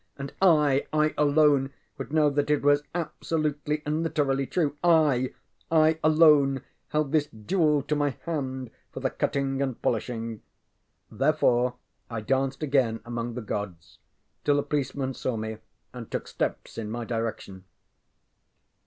And I I alone would know that it was absolutely and literally true. I I alone held this jewel to my hand for the cutting and polishing. Therefore I danced again among the gods till a policeman saw me and took steps in my direction.